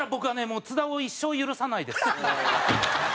もう津田を一生許さないです。